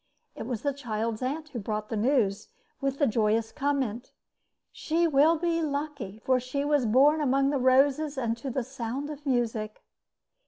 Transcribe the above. It was the child's aunt who brought the news, with the joyous comment: "She will be lucky, for she was born among the roses and to the sound of music."